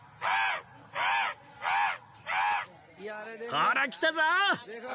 ほら来たぞ！